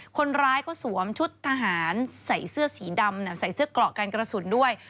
คนร้ายเขาสวมชุดทหารใส่เสื้อสีดำใส่เสื้อกรอกการกระสุนด้วย